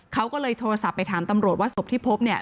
เขาก็เลยโทรศัพท์ไปถามตำรวจว่าศพที่พบเนี่ย